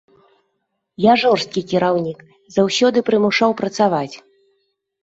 Я жорсткі кіраўнік, заўсёды прымушаў працаваць.